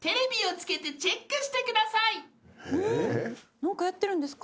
何かやってるんですかね。